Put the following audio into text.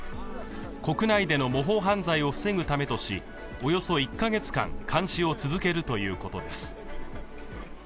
国内での模倣犯罪を防ぐためとしおよそ１カ月間、監視を続けるということです。